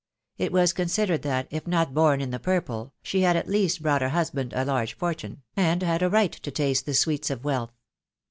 It was considered that, if not born in the purple, she had at least brought her husband a large fortune, and had a right to taste the sweets of wealth.